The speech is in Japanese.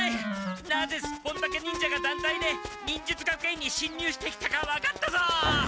なぜスッポンタケ忍者がだんたいで忍術学園にしんにゅうしてきたか分かったぞ！